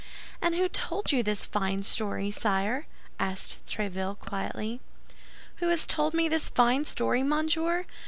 "And who told you this fine story, sire?" asked Tréville, quietly. "Who has told me this fine story, monsieur?